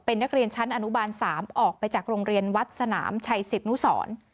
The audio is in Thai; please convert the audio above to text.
เป็นนักเรียนชั้นอนุบาล๓ออกไปจากโรงเรียนวัดสนามชัยสิทธนุสร